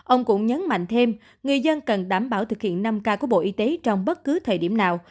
ông cũng nhấn mạnh thêm người dân cần đảm bảo thực hiện năm k của bộ y tế trong bất cứ thời điểm nào